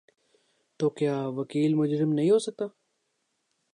تو کیا وکیل مجرم نہیں ہو سکتا؟